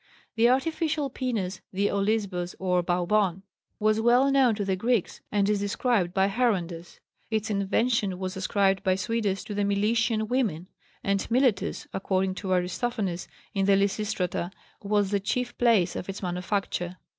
The artificial penis (the olisbos, or baubon) was well known to the Greeks and is described by Herondas. Its invention was ascribed by Suidas to the Milesian women, and Miletus, according to Aristophanes in the Lysistrata, was the chief place of its manufacture.